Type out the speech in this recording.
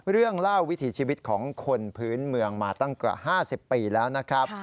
เล่าวิถีชีวิตของคนพื้นเมืองมาตั้งกว่า๕๐ปีแล้วนะครับ